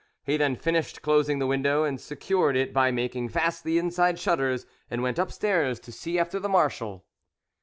He then finished closing the window, and secured it by making fast the inside shutters, and went upstairs to see after the marshal.